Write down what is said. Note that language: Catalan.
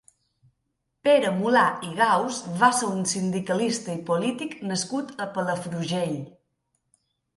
Pere Mulà i Gaus va ser un sindicalista i polític nascut a Palafrugell.